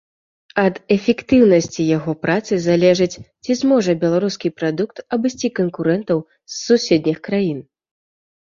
Ад эфектыўнасці яго працы залежыць, ці зможа беларускі прадукт абысці канкурэнтаў з суседніх краін.